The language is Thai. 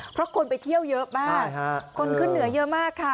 เพราะคนไปเที่ยวเยอะมากคนขึ้นเหนือเยอะมากค่ะ